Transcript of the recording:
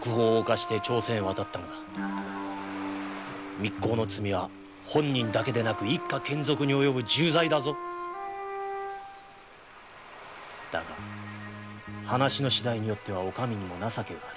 密航の罪は本人だけでなく一家けん族に及ぶ重罪だぞだが話の次第によってはお上にも情けがある。